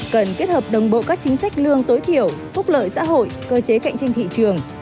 cần kết hợp đồng bộ các chính sách lương tối thiểu phúc lợi xã hội cơ chế cạnh tranh thị trường